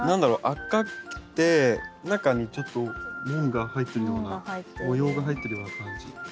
赤くて中にちょっと紋が入ってるような模様が入ってるような感じ。